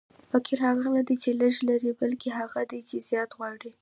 فقیر هغه نه دئ، چي لږ لري؛ بلکي هغه دئ، چي زیات غواړي.